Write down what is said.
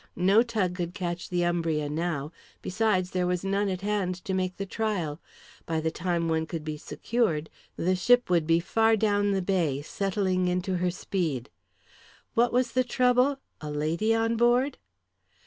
No tug could catch the Umbria now; besides, there was none at hand to make the trial. By the time one could be secured, the ship would be far down the bay, settling into her speed. What was the trouble a lady on board?